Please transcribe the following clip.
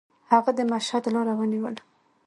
هغه د مشهد لاره ونیوله.